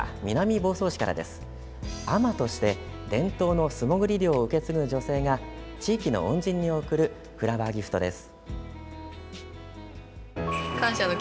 海女として伝統の素もぐり漁を受け継ぐ女性が地域の恩人に贈るフラワーギフトです。